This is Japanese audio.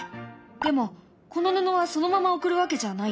でもこの布はそのまま贈るわけじゃないよね？